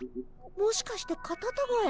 もしかしてカタタガエ？